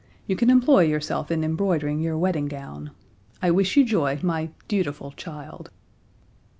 You can employ yourself in embroidering your wedding gown. I wish you joy, my dutiful child."